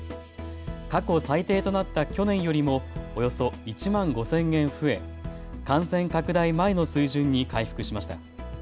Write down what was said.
過去最低となった去年よりもおよそ１万５０００円増え感染拡大前の水準に回復しました。